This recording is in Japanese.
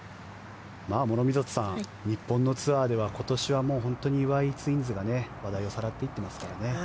諸見里さん、日本のツアーでは今年は岩井ツインズが話題をさらっていってますからね。